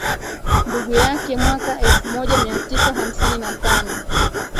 ndugu yake mwaka elfumoja miatisa hamsini na tano